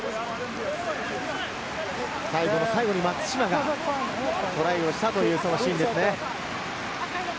最後の最後に松島がトライをしたというシーンですね。